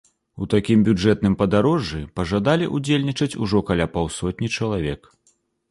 У такім бюджэтным падарожжы пажадалі ўдзельнічаць ужо каля паўсотні чалавек.